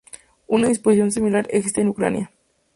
Una disposición similar existe en Ucrania.